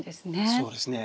そうですね。